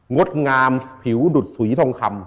งดงามผิวดุดสุยทองคำ